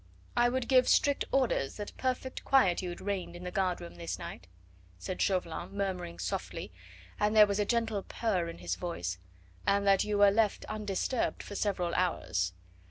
"I would give strict orders that perfect quietude reigned in the guard room this night," said Chauvelin, murmuring softly, and there was a gentle purr in his voice, "and that you were left undisturbed for several hours.